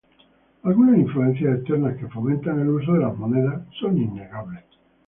Algunas influencias externas que fomentan el uso de las monedas son innegables.